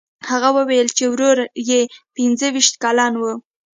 هغه وویل چې ورور یې پنځه ویشت کلن و.